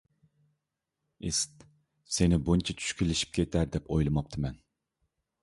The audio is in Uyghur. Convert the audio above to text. ئىسىت، سېنى بۇنچە چۈشكۈنلىشىپ كېتەر دەپ ئويلىماپتىمەن.